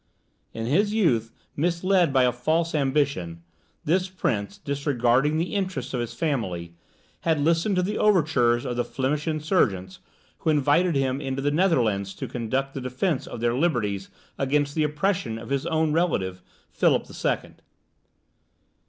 In his youth, misled by a false ambition, this prince, disregarding the interests of his family, had listened to the overtures of the Flemish insurgents, who invited him into the Netherlands to conduct the defence of their liberties against the oppression of his own relative, Philip the Second.